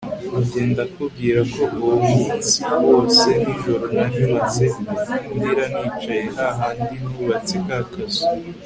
njye ndakubwira ko uwo munsi wose nijoro narimaze ndira nicaye hahandi nubatse kakazu